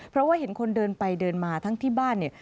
เพราะว่าเห็นคนเดินไปเดินมาทั้งที่บ้านเนี่ย